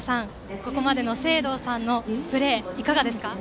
ここまでの成憧さんのプレーいかがですか。